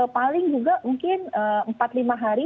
paling juga mungkin empat lima hari